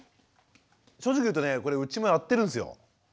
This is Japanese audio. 正直言うとねこれうちもやってるんすよ。